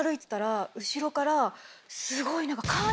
後ろからすごい何か。